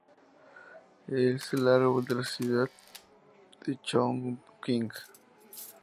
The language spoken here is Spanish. Es el árbol de la ciudad de Chongqing.